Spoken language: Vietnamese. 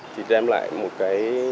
thì đem lại một cái